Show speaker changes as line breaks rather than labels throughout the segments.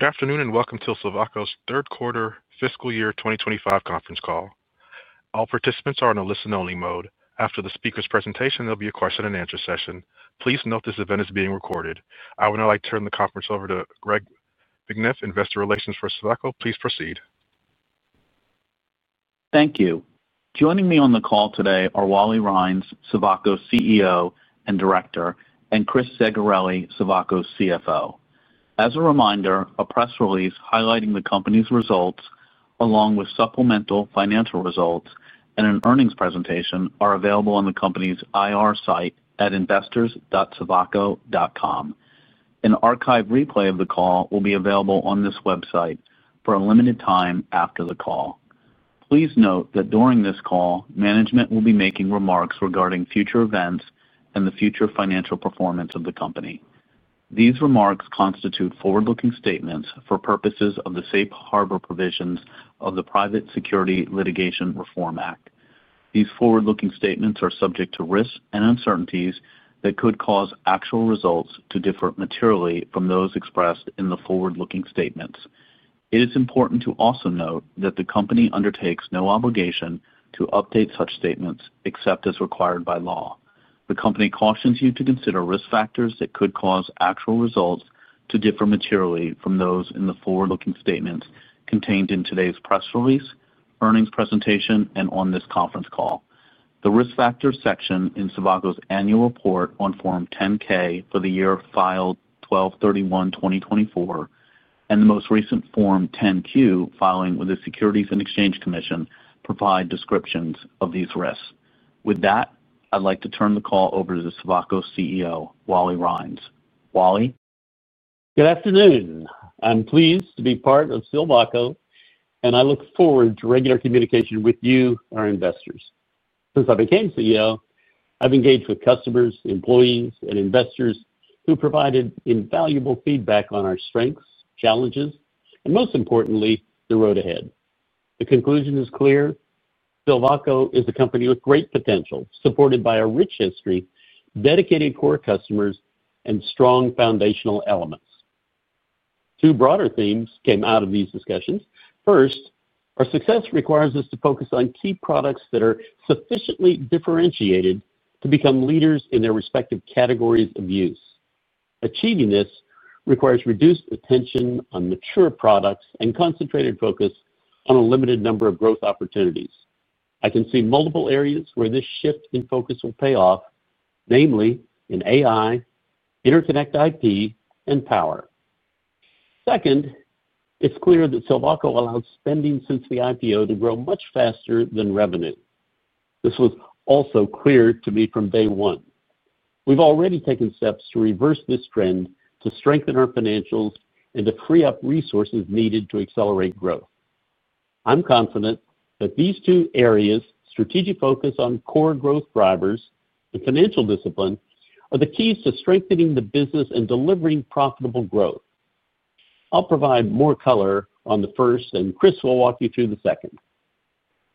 Good afternoon and welcome to Silvaco's third quarter, fiscal year 2025 conference call. All participants are on a listen-only mode. After the speaker's presentation, there'll be a question-and-answer session. Please note this event is being recorded. I would now like to turn the conference over to Greg McNiff, Investor Relations for Silvaco. Please proceed.
Thank you. Joining me on the call today are Wally Rines, Silvaco's CEO and Director, and Chris Zegarelli, Silvaco's CFO. As a reminder, a press release highlighting the company's results, along with supplemental financial results and an earnings presentation, are available on the company's IR site at investors.silvaco.com. An archived replay of the call will be available on this website for a limited time after the call. Please note that during this call, management will be making remarks regarding future events and the future financial performance of the company. These remarks constitute forward-looking statements for purposes of the Safe Harbor Provisions of the Private Security Litigation Reform Act. These forward-looking statements are subject to risks and uncertainties that could cause actual results to differ materially from those expressed in the forward-looking statements. It is important to also note that the company undertakes no obligation to update such statements except as required by law. The company cautions you to consider risk factors that could cause actual results to differ materially from those in the forward-looking statements contained in today's press release, earnings presentation, and on this conference call. The risk factors section in Silvaco's annual report on Form 10-K for the year filed 12/31/2024 and the most recent Form 10-Q filing with the Securities and Exchange Commission provide descriptions of these risks. With that, I'd like to turn the call over to the Silvaco CEO, Wally Rines. Wally.
Good afternoon. I'm pleased to be part of Silvaco, and I look forward to regular communication with you, our investors. Since I became CEO, I've engaged with customers, employees, and investors who provided invaluable feedback on our strengths, challenges, and most importantly, the road ahead. The conclusion is clear: Silvaco is a company with great potential, supported by a rich history, dedicated core customers, and strong foundational elements. Two broader themes came out of these discussions. First, our success requires us to focus on key products that are sufficiently differentiated to become leaders in their respective categories of use. Achieving this requires reduced attention on mature products and concentrated focus on a limited number of growth opportunities. I can see multiple areas where this shift in focus will pay off, namely in AI, interconnect IP, and power. Second, it's clear that Silvaco allowed spending since the IPO to grow much faster than revenue. This was also clear to me from day one. We've already taken steps to reverse this trend, to strengthen our financials, and to free up resources needed to accelerate growth. I'm confident that these two areas—strategic focus on core growth drivers and financial discipline—are the keys to strengthening the business and delivering profitable growth. I'll provide more color on the first, and Chris will walk you through the second.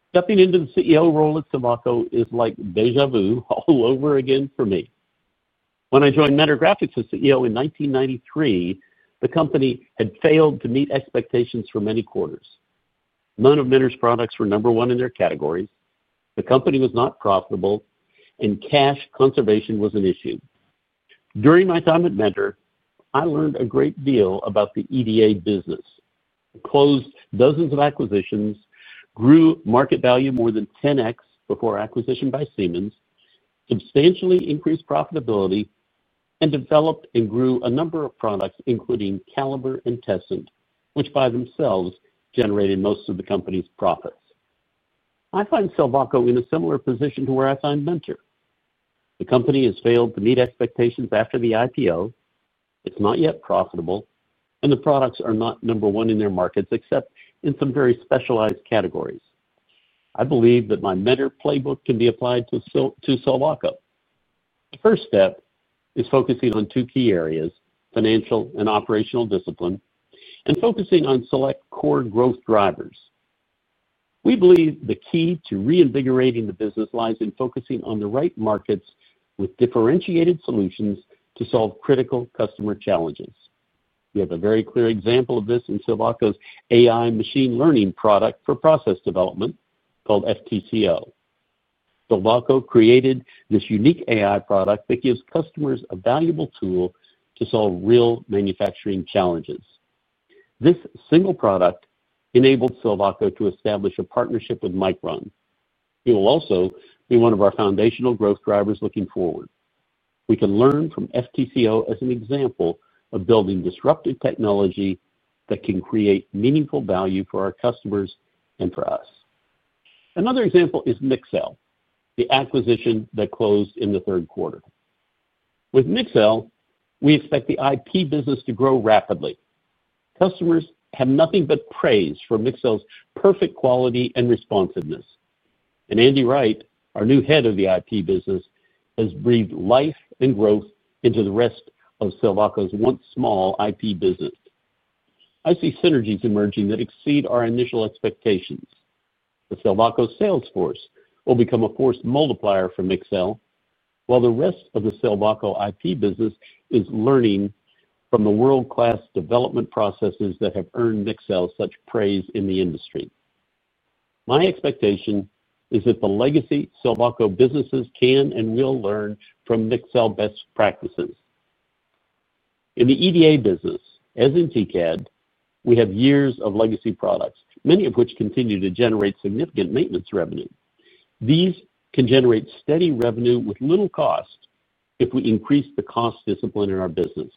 Stepping into the CEO role at Silvaco is like déjà vu all over again for me. When I joined Mentor Graphics as CEO in 1993, the company had failed to meet expectations for many quarters. None of Mentor's products were number one in their categories. The company was not profitable, and cash conservation was an issue. During my time at Mentor, I learned a great deal about the EDA business. We closed dozens of acquisitions, grew market value more than 10x before acquisition by Siemens, substantially increased profitability, and developed and grew a number of products, including Calibre and Tessent, which by themselves generated most of the company's profits. I find Silvaco in a similar position to where I find Mentor. The company has failed to meet expectations after the IPO, it's not yet profitable, and the products are not number one in their markets except in some very specialized categories. I believe that my Mentor playbook can be applied to Silvaco. The first step is focusing on two key areas: financial and operational discipline, and focusing on select core growth drivers. We believe the key to reinvigorating the business lies in focusing on the right markets with differentiated solutions to solve critical customer challenges. We have a very clear example of this in Silvaco's AI machine learning product for process development called FTCO. Silvaco created this unique AI product that gives customers a valuable tool to solve real manufacturing challenges. This single product enabled Silvaco to establish a partnership with Micron. It will also be one of our foundational growth drivers looking forward. We can learn from FTCO as an example of building disruptive technology that can create meaningful value for our customers and for us. Another example is Mixel, the acquisition that closed in the third quarter. With Mixel, we expect the IP business to grow rapidly. Customers have nothing but praise for Mixel's perfect quality and responsiveness. Andy Wright, our new Head of the IP business, has breathed life and growth into the rest of Silvaco's once small IP business. I see synergies emerging that exceed our initial expectations. The Silvaco sales force will become a force multiplier for Mixel, while the rest of the Silvaco IP business is learning from the world-class development processes that have earned Mixel such praise in the industry. My expectation is that the legacy Silvaco businesses can and will learn from Mixel best practices. In the EDA business, as in TCAD, we have years of legacy products, many of which continue to generate significant maintenance revenue. These can generate steady revenue with little cost if we increase the cost discipline in our business.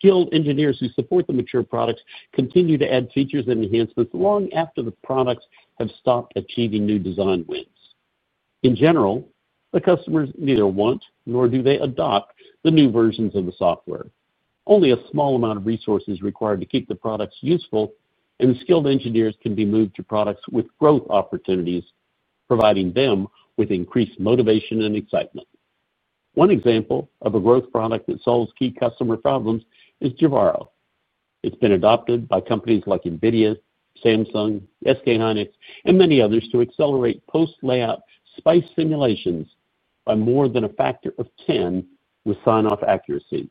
Skilled engineers who support the mature products continue to add features and enhancements long after the products have stopped achieving new design wins. In general, the customers neither want nor do they adopt the new versions of the software. Only a small amount of resources are required to keep the products useful, and skilled engineers can be moved to products with growth opportunities, providing them with increased motivation and excitement. One example of a growth product that solves key customer problems is Jivaro. It's been adopted by companies like Nvidia, Samsung, SK hynix, and many others to accelerate post-layout SPICE simulations by more than a factor of 10 with sign-off accuracy.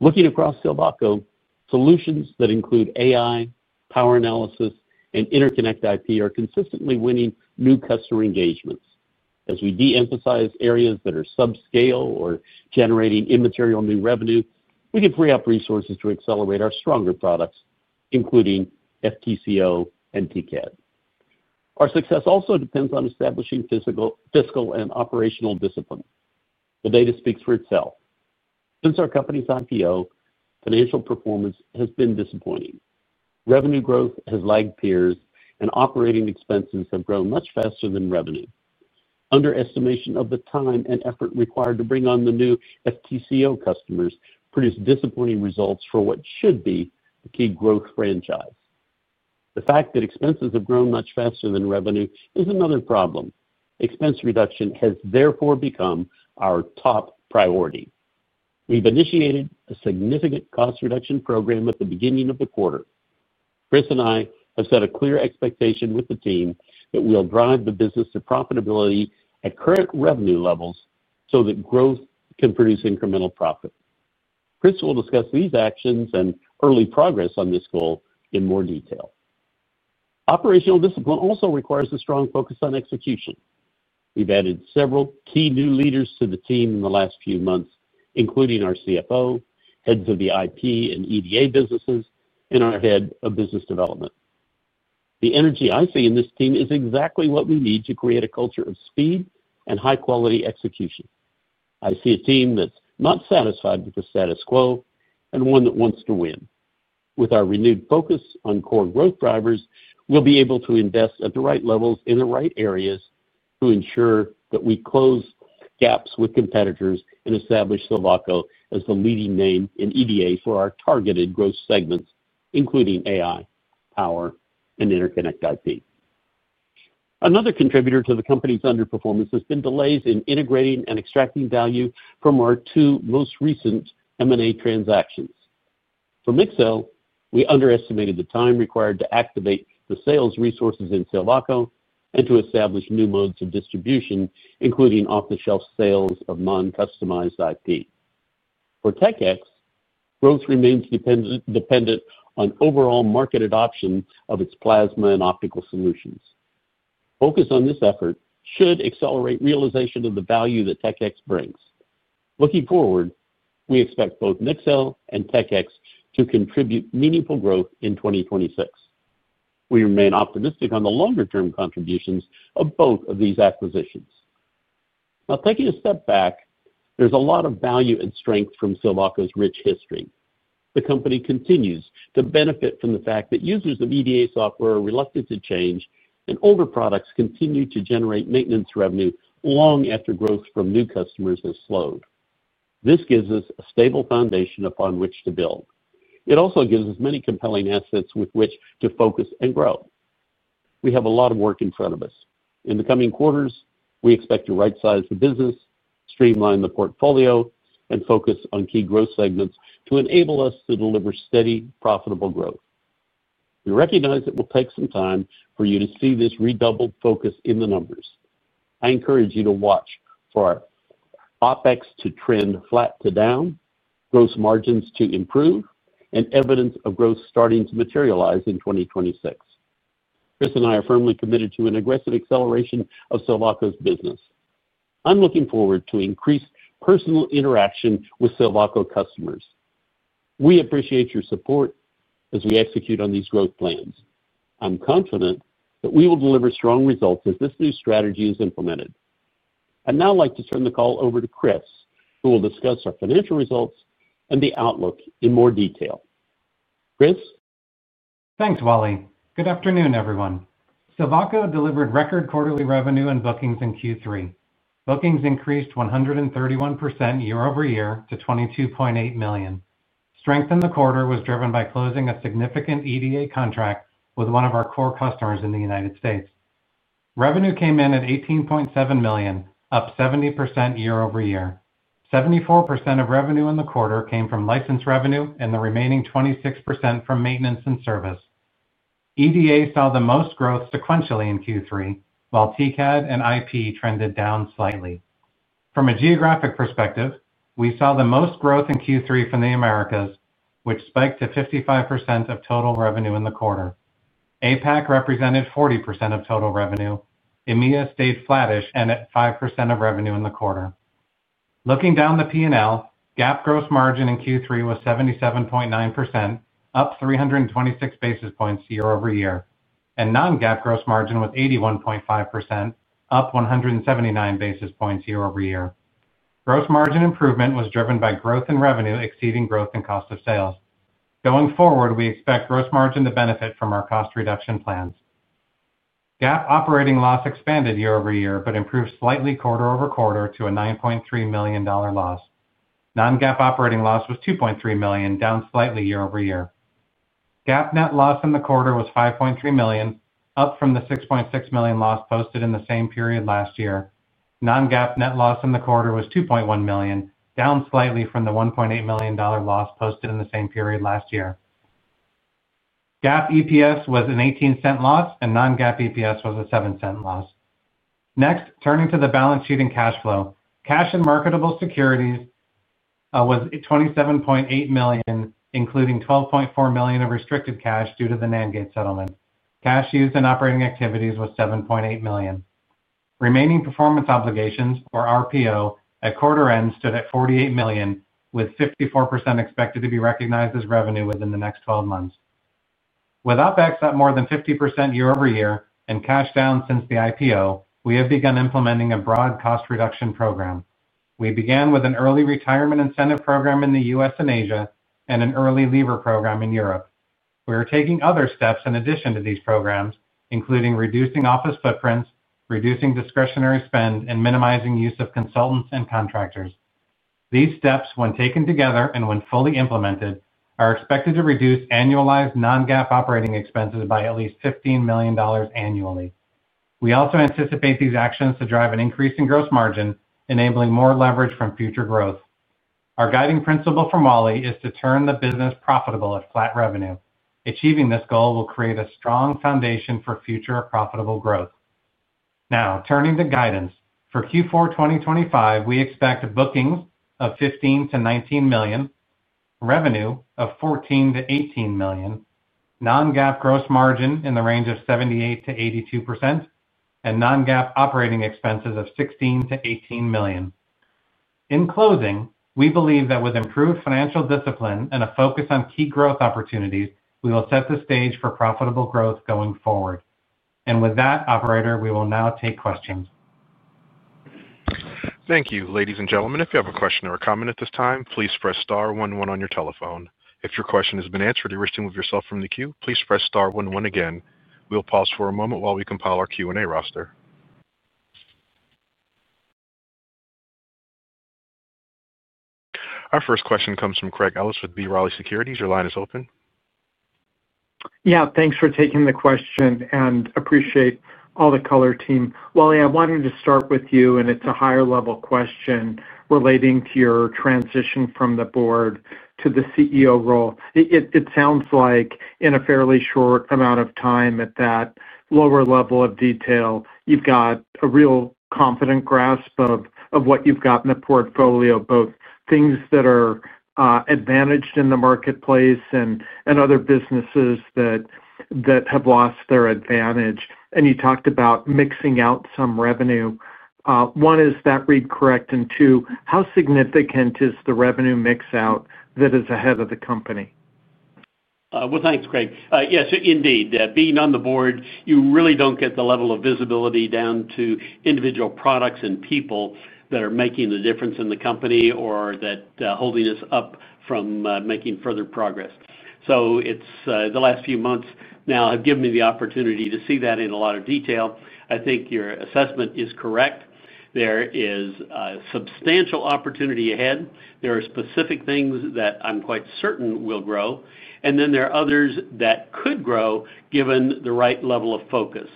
Looking across Silvaco, solutions that include AI, power analysis, and interconnect IP are consistently winning new customer engagements. As we de-emphasize areas that are subscale or generating immaterial new revenue, we can free up resources to accelerate our stronger products, including FTCO and TCAD. Our success also depends on establishing fiscal and operational discipline. The data speaks for itself. Since our company's IPO, financial performance has been disappointing. Revenue growth has lagged peers, and operating expenses have grown much faster than revenue. Underestimation of the time and effort required to bring on the new FTCO customers produced disappointing results for what should be a key growth franchise. The fact that expenses have grown much faster than revenue is another problem. Expense reduction has therefore become our top priority. We have initiated a significant cost reduction program at the beginning of the quarter. Chris and I have set a clear expectation with the team that we will drive the business to profitability at current revenue levels so that growth can produce incremental profit. Chris will discuss these actions and early progress on this goal in more detail. Operational discipline also requires a strong focus on execution. We've added several key new leaders to the team in the last few months, including our CFO, heads of the IP and EDA businesses, and our head of business development. The energy I see in this team is exactly what we need to create a culture of speed and high-quality execution. I see a team that's not satisfied with the status quo and one that wants to win. With our renewed focus on core growth drivers, we'll be able to invest at the right levels in the right areas to ensure that we close gaps with competitors and establish Silvaco as the leading name in EDA for our targeted growth segments, including AI, power, and interconnect IP. Another contributor to the company's underperformance has been delays in integrating and extracting value from our two most recent M&A transactions. For Mixel, we underestimated the time required to activate the sales resources in Silvaco and to establish new modes of distribution, including off-the-shelf sales of non-customized IP. For Tech-X, growth remains dependent on overall market adoption of its plasma and optical solutions. Focus on this effort should accelerate realization of the value that Tech-X brings. Looking forward, we expect both Mixel and Tech-X to contribute meaningful growth in 2026. We remain optimistic on the longer-term contributions of both of these acquisitions. Now, taking a step back, there's a lot of value and strength from Silvaco's rich history. The company continues to benefit from the fact that users of EDA software are reluctant to change, and older products continue to generate maintenance revenue long after growth from new customers has slowed. This gives us a stable foundation upon which to build. It also gives us many compelling assets with which to focus and grow. We have a lot of work in front of us. In the coming quarters, we expect to right-size the business, streamline the portfolio, and focus on key growth segments to enable us to deliver steady, profitable growth. We recognize it will take some time for you to see this redoubled focus in the numbers. I encourage you to watch for our OpEx to trend flat to down, gross margins to improve, and evidence of growth starting to materialize in 2026. Chris and I are firmly committed to an aggressive acceleration of Silvaco's business. I'm looking forward to increased personal interaction with Silvaco customers. We appreciate your support as we execute on these growth plans. I'm confident that we will deliver strong results as this new strategy is implemented. I'd now like to turn the call over to Chris, who will discuss our financial results and the outlook in more detail. Chris.
Thanks, Wally. Good afternoon, everyone. Silvaco delivered record quarterly revenue and bookings in Q3. Bookings increased 131% year over year to $22.8 million. Strength in the quarter was driven by closing a significant EDA contract with one of our core customers in the United States. Revenue came in at $18.7 million, up 70% year-over-year. 74% of revenue in the quarter came from license revenue, and the remaining 26% from maintenance and service. EDA saw the most growth sequentially in Q3, while TCAD and IP trended down slightly. From a geographic perspective, we saw the most growth in Q3 from the Americas, which spiked to 55% of total revenue in the quarter. APAC represented 40% of total revenue. EMEA stayed flattish and at 5% of revenue in the quarter. Looking down the P&L, GAAP gross margin in Q3 was 77.9%, up 326 basis points year over year. Non-GAAP gross margin was 81.5%, up 179 basis points year-over-year. Gross margin improvement was driven by growth in revenue exceeding growth in cost of sales. Going forward, we expect gross margin to benefit from our cost reduction plans. GAAP operating loss expanded year over year but improved slightly quarter-over -uarter to a $9.3 million loss. Non-GAAP operating loss was $2.3 million, down slightly year-over-year. GAAP net loss in the quarter was $5.3 million, up from the $6.6 million loss posted in the same period last year. Non-GAAP net loss in the quarter was $2.1 million, down slightly from the $1.8 million loss posted in the same period last year. GAAP EPS was an $0.18 loss, and non-GAAP EPS was a $0.07 loss. Next, turning to the balance sheet and cash flow. Cash and marketable securities was $27.8 million, including $12.4 million of restricted cash due to the non-GAAP settlement. Cash used in operating activities was $7.8 million. Remaining performance obligations, or RPO, at quarter-end stood at $48 million, with 54% expected to be recognized as revenue within the next 12 months. With OpEx up more than 50% year-over-year and cash down since the IPO, we have begun implementing a broad cost reduction program. We began with an early retirement incentive program in the U.S. and Asia and an early leaver program in Europe. We are taking other steps in addition to these programs, including reducing office footprints, reducing discretionary spend, and minimizing use of consultants and contractors. These steps, when taken together and when fully implemented, are expected to reduce annualized non-GAAP operating expenses by at least $15 million annually. We also anticipate these actions to drive an increase in gross margin, enabling more leverage from future growth. Our guiding principle for Wally is to turn the business profitable at flat revenue. Achieving this goal will create a strong foundation for future profitable growth. Now, turning to guidance. For Q4 2025, we expect bookings of $15 million-$19 million, revenue of $14 million-$18 million, non-GAAP gross margin in the range of 78%-82%, and non-GAAP operating expenses of $16 million-$18 million. In closing, we believe that with improved financial discipline and a focus on key growth opportunities, we will set the stage for profitable growth going forward. With that, Operator, we will now take questions.
Thank you, ladies and gentlemen. If you have a question or a comment at this time, please press star one one on your telephone. If your question has been answered or you are removing yourself from the queue, please press star one one again. We will pause for a moment while we compile our Q&A roster. Our first question comes from Craig Ellis with B. Riley Securities. Your line is open.
Yeah, thanks for taking the question and appreciate all the color, team. Wally, I wanted to start with you, and it's a higher-level question relating to your transition from the board to the CEO role. It sounds like in a fairly short amount of time at that lower level of detail, you've got a real confident grasp of what you've got in the portfolio, both things that are advantaged in the marketplace and other businesses that have lost their advantage. And you talked about mixing out some revenue. One, is that read correct? And two, how significant is the revenue mix-out that is ahead of the company?
Thanks, Craig. Yes, indeed. Being on the board, you really don't get the level of visibility down to individual products and people that are making the difference in the company or that are holding us up from making further progress. The last few months now have given me the opportunity to see that in a lot of detail. I think your assessment is correct. There is substantial opportunity ahead. There are specific things that I'm quite certain will grow. And then there are others that could grow given the right level of focus.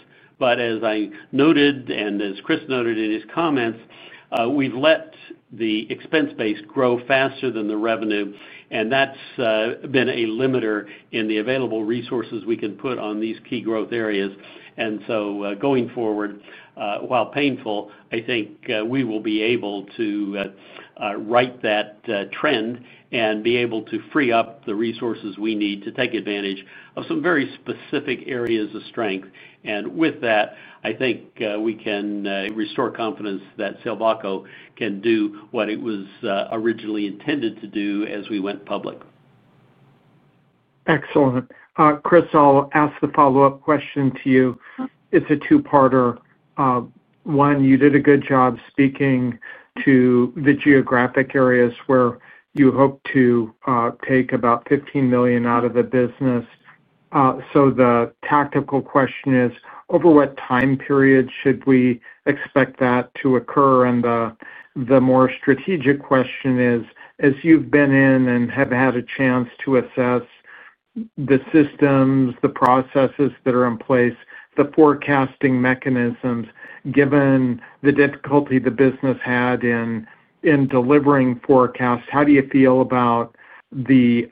As I noted and as Chris noted in his comments, we've let the expense base grow faster than the revenue. That's been a limiter in the available resources we can put on these key growth areas. Going forward, while painful, I think we will be able to right that trend and be able to free up the resources we need to take advantage of some very specific areas of strength. With that, I think we can restore confidence that Silvaco can do what it was originally intended to do as we went public.
Excellent. Chris, I'll ask the follow-up question to you. It's a two-parter. One, you did a good job speaking to the geographic areas where you hope to take about $15 million out of the business. The tactical question is, over what time period should we expect that to occur? The more strategic question is, as you've been in and have had a chance to assess the systems, the processes that are in place, the forecasting mechanisms, given the difficulty the business had in delivering forecasts, how do you feel about the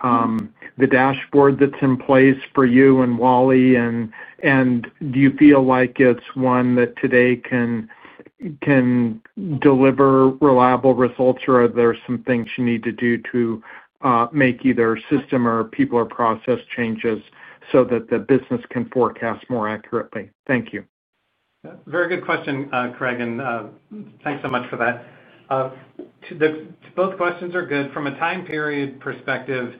dashboard that's in place for you and Wally? Do you feel like it's one that today can deliver reliable results, or are there some things you need to do to make either system or people or process changes so that the business can forecast more accurately? Thank you.
Very good question, Craig, and thanks so much for that. Both questions are good. From a time period perspective,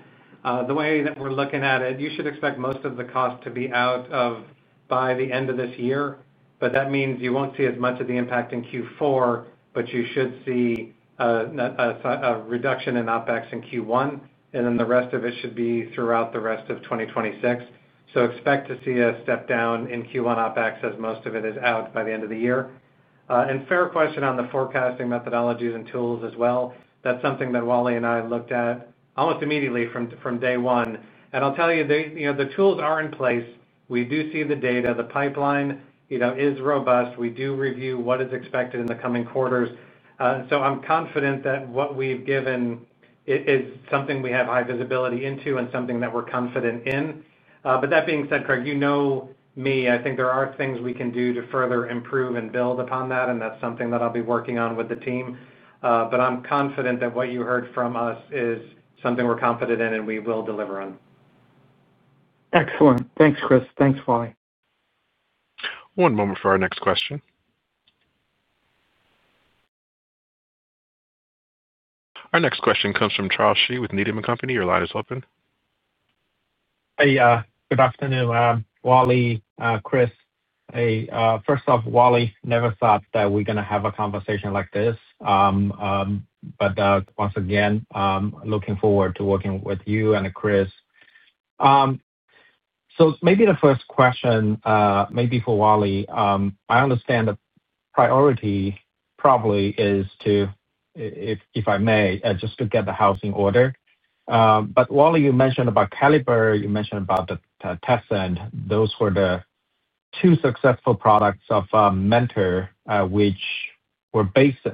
the way that we're looking at it, you should expect most of the cost to be out by the end of this year. That means you won't see as much of the impact in Q4, but you should see a reduction in OpEx in Q1. The rest of it should be throughout the rest of 2026. Expect to see a step down in Q1 OpEx as most of it is out by the end of the year. Fair question on the forecasting methodologies and tools as well. That's something that Wally and I looked at almost immediately from day one. I'll tell you, the tools are in place. We do see the data. The pipeline is robust. We do review what is expected in the coming quarters. I am confident that what we have given is something we have high visibility into and something that we are confident in. That being said, Craig, you know me. I think there are things we can do to further improve and build upon that, and that is something that I will be working on with the team. I am confident that what you heard from us is something we are confident in, and we will deliver on.
Excellent. Thanks, Chris. Thanks, Wally.
One moment for our next question. Our next question comes from Charles Shi with Needham & Company. Your line is open.
Hey, good afternoon. Wally, Chris. First off, Wally, never thought that we're going to have a conversation like this. Once again, looking forward to working with you and Chris. Maybe the first question, maybe for Wally, I understand the priority probably is to, if I may, just to get the house in order. Wally, you mentioned about Calibre, you mentioned about Tessent. Those were the two successful products of Mentor, which are basically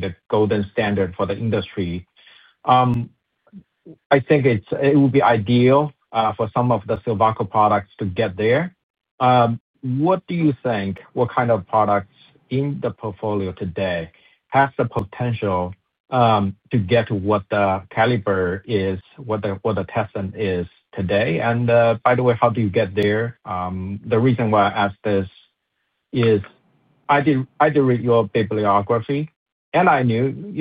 the golden standard for the industry. I think it would be ideal for some of the Silvaco products to get there. What do you think? What kind of products in the portfolio today have the potential to get to what Calibre is, what Tessent is today? By the way, how do you get there? The reason why I ask this is I did read your bibliography, and I knew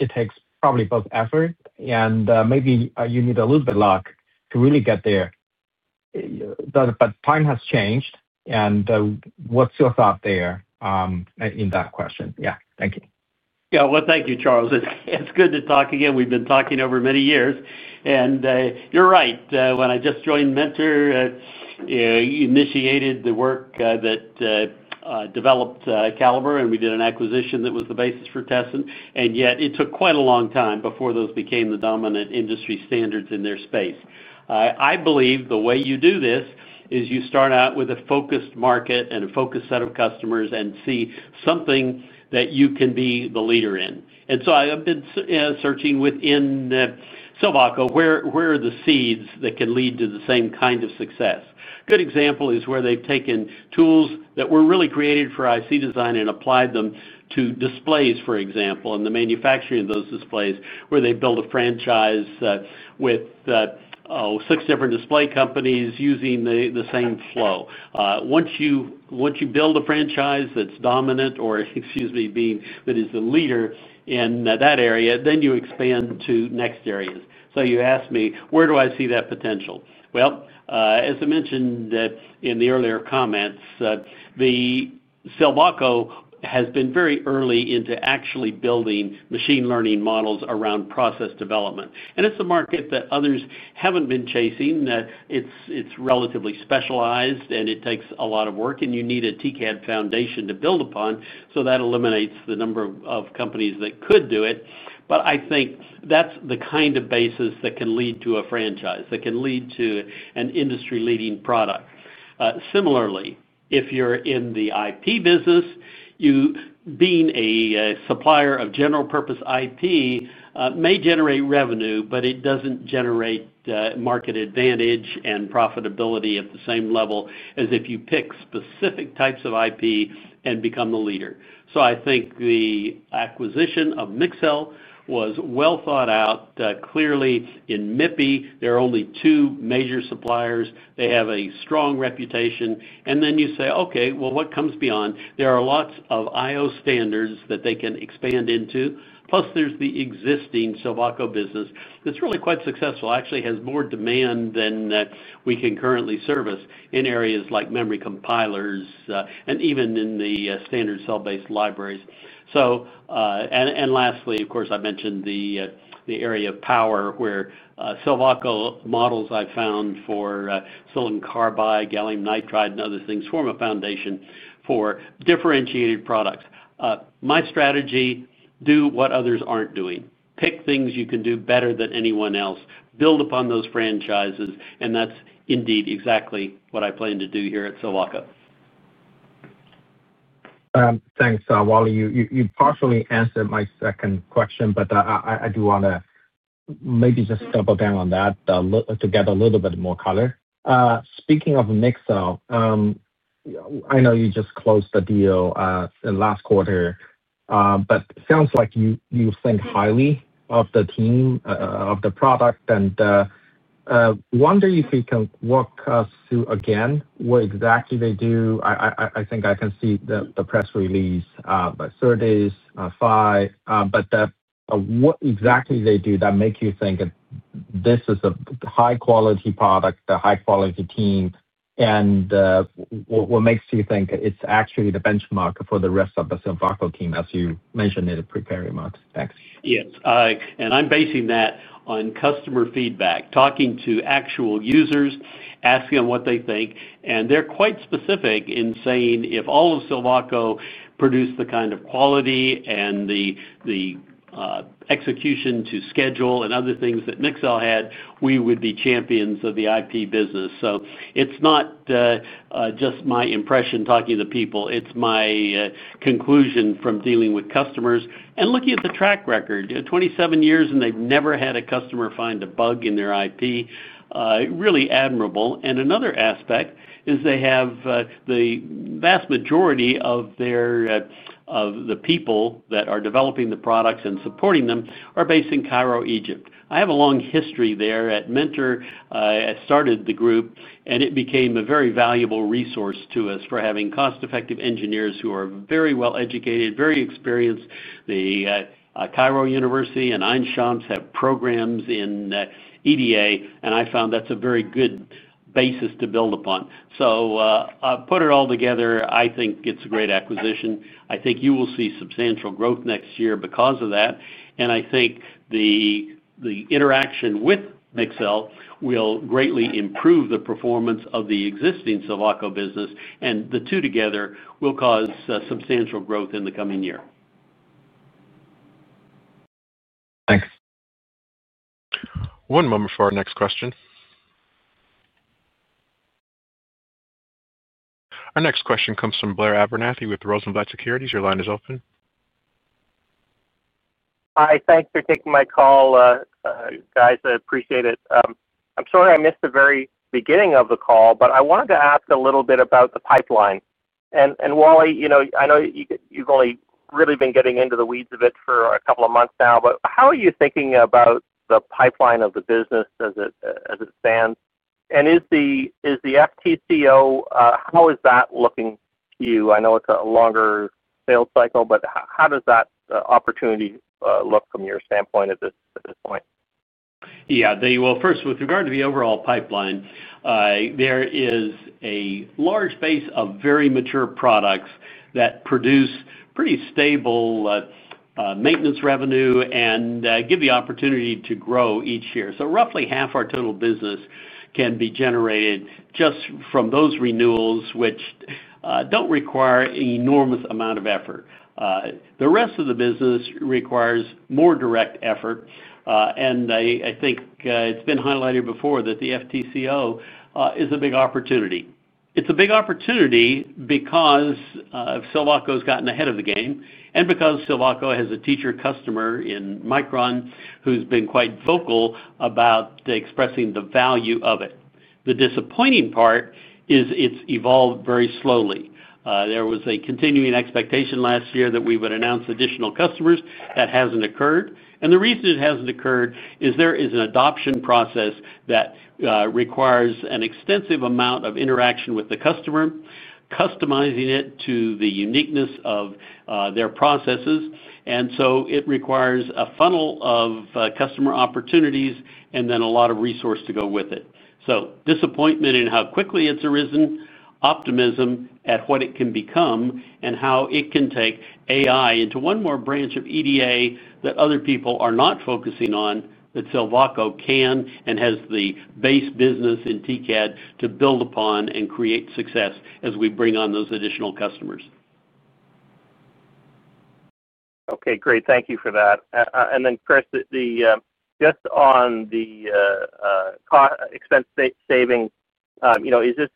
it takes probably both effort and maybe you need a little bit of luck to really get there. Time has changed. What's your thought there in that question? Yeah, thank you.
Yeah, thank you, Charles. It's good to talk again. We've been talking over many years. You're right. When I just joined Mentor, you initiated the work that developed Calibre, and we did an acquisition that was the basis for Tessent. Yet it took quite a long time before those became the dominant industry standards in their space. I believe the way you do this is you start out with a focused market and a focused set of customers and see something that you can be the leader in. I've been searching within Silvaco, where are the seeds that can lead to the same kind of success? A good example is where they've taken tools that were really created for IC design and applied them to displays, for example, and the manufacturing of those displays, where they built a franchise with six different display companies using the same flow. Once you build a franchise that's dominant or, excuse me, that is the leader in that area, you expand to next areas. You asked me, where do I see that potential? As I mentioned in the earlier comments, Silvaco has been very early into actually building machine learning models around process development. It's a market that others haven't been chasing. It's relatively specialized, and it takes a lot of work, and you need a TCAD foundation to build upon. That eliminates the number of companies that could do it. I think that's the kind of basis that can lead to a franchise, that can lead to an industry-leading product. Similarly, if you're in the IP business, being a supplier of general-purpose IP may generate revenue, but it doesn't generate market advantage and profitability at the same level as if you pick specific types of IP and become the leader. I think the acquisition of Mixel was well thought out. Clearly, in MIPP, there are only two major suppliers. They have a strong reputation. You say, okay, what comes beyond? There are lots of I/O standards that they can expand into. Plus, there's the existing Silvaco business that's really quite successful, actually has more demand than we can currently service in areas like memory compilers and even in the standard cell-based libraries. Lastly, of course, I mentioned the area of power where Silvaco models I found for silicon carbide, gallium nitride, and other things form a foundation for differentiated products. My strategy: do what others aren't doing. Pick things you can do better than anyone else. Build upon those franchises. That is indeed exactly what I plan to do here at Silvaco.
Thanks, Wally. You partially answered my second question, but I do want to maybe just double down on that to get a little bit more color. Speaking of Mixel, I know you just closed the deal last quarter, but it sounds like you think highly of the team, of the product. I wonder if you can walk us through again what exactly they do. I think I can see the press release, but surveys, but what exactly they do that makes you think this is a high-quality product, a high-quality team? What makes you think it's actually the benchmark for the rest of the Silvaco team, as you mentioned in the preparing marks? Thanks.
Yes. I am basing that on customer feedback, talking to actual users, asking them what they think. They are quite specific in saying if all of Silvaco produced the kind of quality and the execution to schedule and other things that Mixel had, we would be champions of the IP business. It is not just my impression talking to people. It is my conclusion from dealing with customers and looking at the track record. Twenty-seven years, and they have never had a customer find a bug in their IP. Really admirable. Another aspect is they have the vast majority of the people that are developing the products and supporting them based in Cairo, Egypt. I have a long history there at Mentor. I started the group, and it became a very valuable resource to us for having cost-effective engineers who are very well-educated, very experienced. The Cairo University and Ain Shams have programs in EDA, and I found that's a very good basis to build upon. I put it all together. I think it's a great acquisition. I think you will see substantial growth next year because of that. I think the interaction with Mixel will greatly improve the performance of the existing Silvaco business. The two together will cause substantial growth in the coming year.
Thanks.
One moment for our next question. Our next question comes from Blair Abernethy with Rosenblatt Securities with Rosenblatt Securities. Your line is open.
Hi. Thanks for taking my call, guys. I appreciate it. I'm sorry I missed the very beginning of the call, but I wanted to ask a little bit about the pipeline. Wally, I know you've only really been getting into the weeds of it for a couple of months now, but how are you thinking about the pipeline of the business as it stands? Is the FTCO, how is that looking to you? I know it's a longer sales cycle, but how does that opportunity look from your standpoint at this point?
Yeah. First, with regard to the overall pipeline, there is a large base of very mature products that produce pretty stable maintenance revenue and give the opportunity to grow each year. So roughly half our total business can be generated just from those renewals, which do not require an enormous amount of effort. The rest of the business requires more direct effort. I think it has been highlighted before that the FTCO is a big opportunity. It is a big opportunity because Silvaco has gotten ahead of the game and because Silvaco has a teacher customer in Micron who has been quite vocal about expressing the value of it. The disappointing part is it has evolved very slowly. There was a continuing expectation last year that we would announce additional customers. That has not occurred. The reason it hasn't occurred is there is an adoption process that requires an extensive amount of interaction with the customer, customizing it to the uniqueness of their processes. It requires a funnel of customer opportunities and then a lot of resources to go with it. Disappointment in how quickly it's arisen, optimism at what it can become, and how it can take AI into one more branch of EDA that other people are not focusing on, that Silvaco can and has the base business in TCAD to build upon and create success as we bring on those additional customers.
Okay. Great. Thank you for that. And then, Chris, just on the expense savings, is this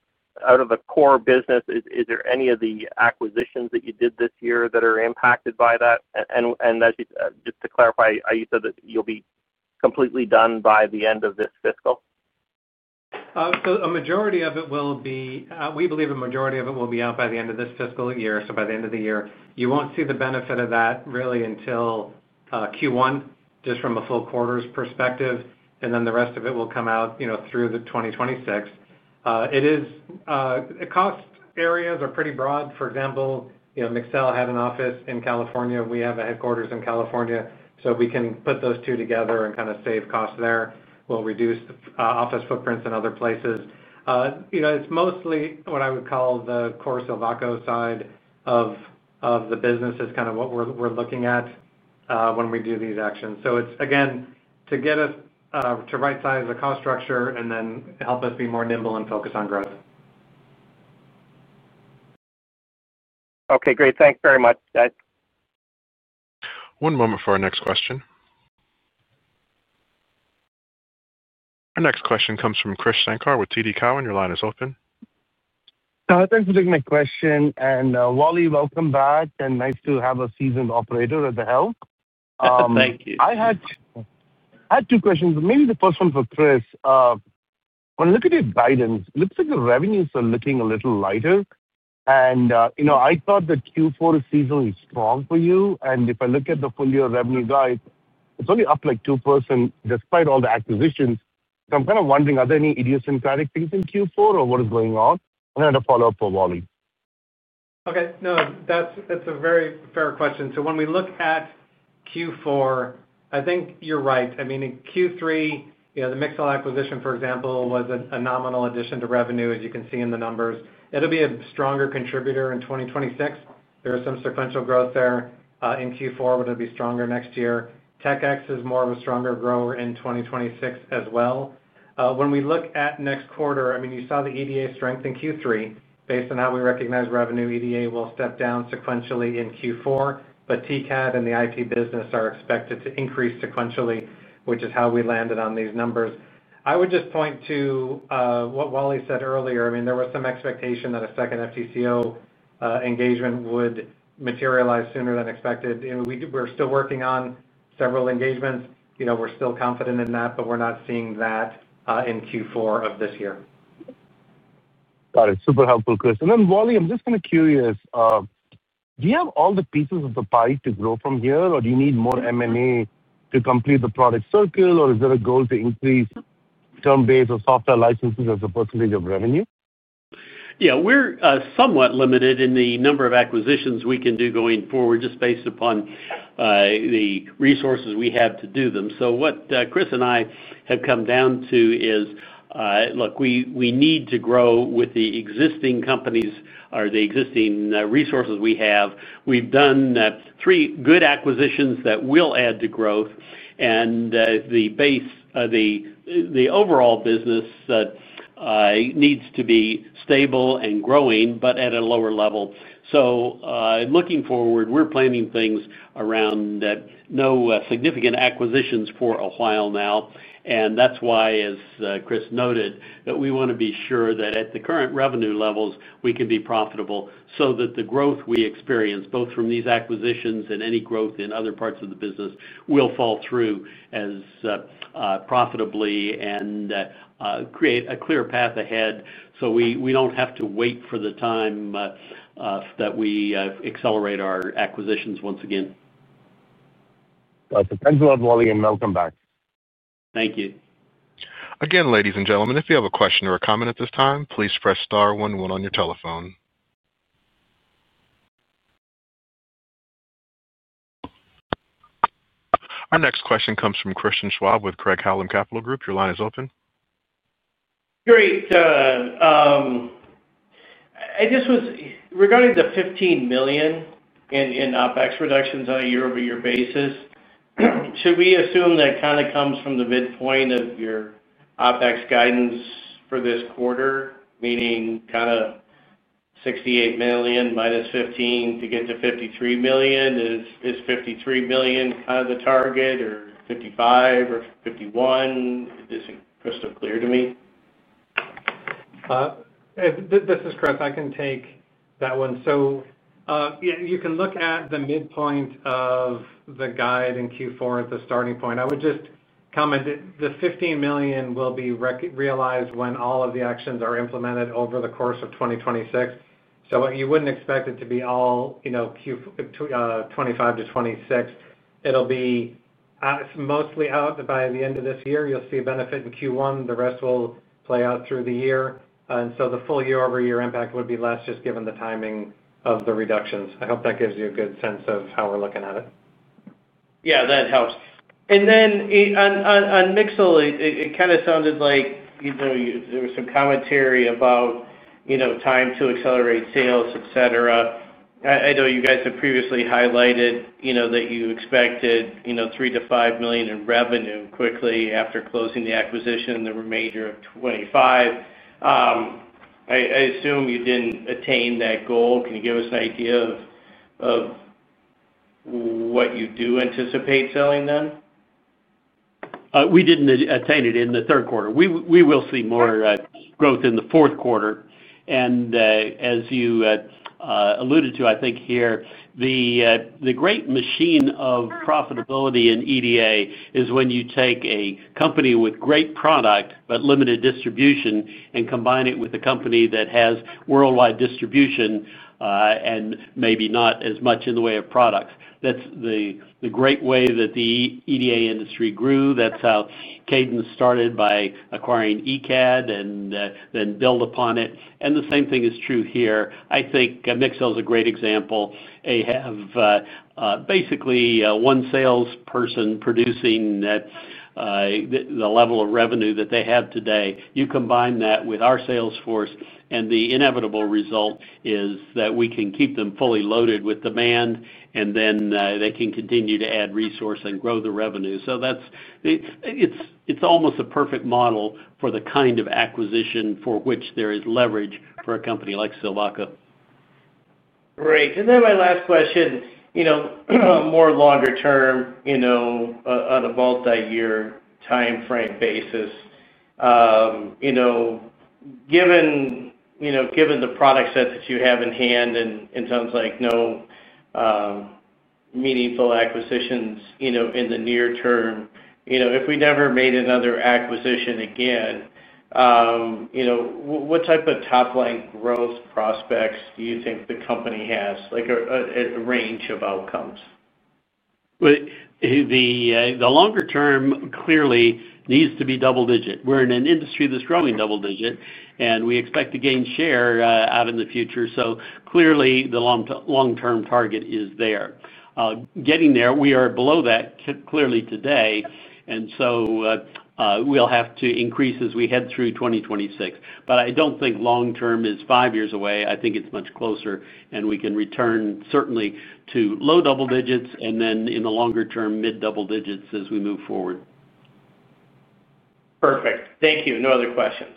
out of the core business? Is there any of the acquisitions that you did this year that are impacted by that? And just to clarify, you said that you'll be completely done by the end of this fiscal?
A majority of it will be, we believe, a majority of it will be out by the end of this fiscal year. By the end of the year, you will not see the benefit of that really until Q1, just from a full quarter's perspective. The rest of it will come out through 2026. The cost areas are pretty broad. For example, Mixel had an office in California. We have a headquarters in California. If we can put those two together and kind of save costs there, we will reduce office footprints in other places. It is mostly what I would call the core Silvaco side of the business is kind of what we are looking at when we do these actions. It is, again, to get us to right size the cost structure and then help us be more nimble and focus on growth.
Okay. Great. Thanks very much.
One moment for our next question. Our next question comes from Krish Shankar with TD Cowen. Your line is open.
Thanks for taking my question. Wally, welcome back. Nice to have a seasoned operator at the helm.
Thank you.
I had two questions. Maybe the first one for Chris. When I look at your guidance, it looks like the revenues are looking a little lighter. I thought that Q4 season was strong for you. If I look at the full year revenue guide, it's only up like 2% despite all the acquisitions. I'm kind of wondering, are there any idiosyncratic things in Q4 or what is going on? A follow-up for Wally.
Okay. No, that's a very fair question. So when we look at Q4, I think you're right. I mean, in Q3, the Mixel acquisition, for example, was a nominal addition to revenue, as you can see in the numbers. It'll be a stronger contributor in 2026. There is some sequential growth there in Q4, but it'll be stronger next year. Tech-X is more of a stronger grower in 2026 as well. When we look at next quarter, I mean, you saw the EDA strength in Q3. Based on how we recognize revenue, EDA will step down sequentially in Q4. But TCAD and the IP business are expected to increase sequentially, which is how we landed on these numbers. I would just point to what Wally said earlier. I mean, there was some expectation that a second FTCO engagement would materialize sooner than expected. We're still working on several engagements. We're still confident in that, but we're not seeing that in Q4 of this year.
Got it. Super helpful, Chris. Wally, I'm just kind of curious. Do you have all the pieces of the pie to grow from here, or do you need more M&A to complete the product circle? Or is there a goal to increase term-based or software licenses as a percentage of revenue?
Yeah. We're somewhat limited in the number of acquisitions we can do going forward, just based upon the resources we have to do them. So what Chris and I have come down to is, look, we need to grow with the existing companies or the existing resources we have. We've done three good acquisitions that will add to growth. The overall business needs to be stable and growing, but at a lower level. Looking forward, we're planning things around no significant acquisitions for a while now. As Chris noted, we want to be sure that at the current revenue levels, we can be profitable so that the growth we experience, both from these acquisitions and any growth in other parts of the business, will fall through as profitably and create a clear path ahead so we do not have to wait for the time that we accelerate our acquisitions once again.
It depends on what Wally and welcome back.
Thank you.
Again, ladies and gentlemen, if you have a question or a comment at this time, please press star 11 on your telephone. Our next question comes from Christian Schwab with Craig-Hallum Capital Group. Your line is open.
Great. Regarding the $15 million in OpEx reductions on a year-over-year basis, should we assume that kind of comes from the midpoint of your OpEx guidance for this quarter, meaning kind of $68 million, -$15 million to get to $53 million? Is $53 million kind of the target or $55 million or $51 million? Is this crystal clear to me?
This is Chris. I can take that one. You can look at the midpoint of the guide in Q4 as the starting point. I would just comment that the $15 million will be realized when all of the actions are implemented over the course of 2026. You would not expect it to be all 2025-2026. It will be mostly out by the end of this year. You will see a benefit in Q1. The rest will play out through the year. The full year-over-year impact would be less just given the timing of the reductions. I hope that gives you a good sense of how we are looking at it.
Yeah, that helps. On Mixel, it kind of sounded like there was some commentary about time to accelerate sales, etc. I know you guys have previously highlighted that you expected $3 million-$5 million in revenue quickly after closing the acquisition in the remainder of 2025. I assume you did not attain that goal. Can you give us an idea of what you do anticipate selling then?
We didn't attain it in the third quarter. We will see more growth in the fourth quarter. As you alluded to, I think here, the great machine of profitability in EDA is when you take a company with great product but limited distribution and combine it with a company that has worldwide distribution and maybe not as much in the way of products. That is the great way that the EDA industry grew. That is how Cadence started by acquiring ECAD and then built upon it. The same thing is true here. I think Mixel is a great example. They have basically one salesperson producing the level of revenue that they have today. You combine that with our sales force, and the inevitable result is that we can keep them fully loaded with demand, and then they can continue to add resource and grow the revenue. It's almost a perfect model for the kind of acquisition for which there is leverage for a company like Silvaco.
Great. Then my last question, more longer term, on a multi-year timeframe basis. Given the product set that you have in hand and sounds like no meaningful acquisitions in the near term, if we never made another acquisition again, what type of top-line growth prospects do you think the company has? A range of outcomes.
The longer term clearly needs to be double-digit. We're in an industry that's growing double-digit, and we expect to gain share out in the future. So clearly, the long-term target is there. Getting there, we are below that clearly today. And so we'll have to increase as we head through 2026. But I don't think long-term is five years away. I think it's much closer. And we can return certainly to low double digits and then in the longer term, mid-double digits as we move forward.
Perfect. Thank you. No other questions.